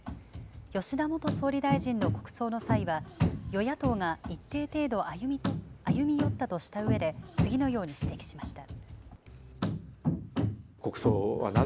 吉田元総理大臣の国葬の際は、与野党が一定程度歩み寄ったとしたうえで、次のように指摘しました。